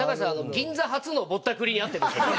銀座初のぼったくりに遭ってるんですよ。